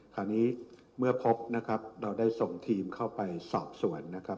คราวนี้เมื่อพบนะครับเราได้ส่งทีมเข้าไปสอบสวนนะครับ